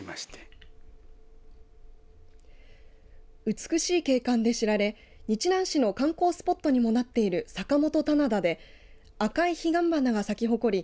美しい景観で知られ日南市の観光スポットにもなっている坂元棚田で赤い彼岸花が咲き誇り